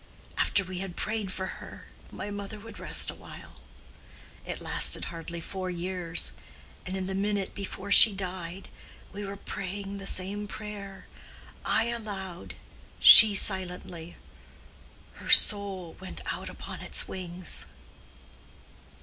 After we had prayed for her, my mother would rest awhile. It lasted hardly four years, and in the minute before she died, we were praying the same prayer—I aloud, she silently. Her soul went out upon its wings."